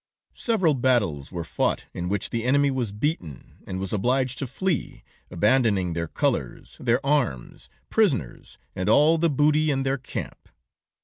Several battles were fought in which the enemy was beaten and was obliged to flee, abandoning their colors, their arms, prisoners, and all the booty in their camp.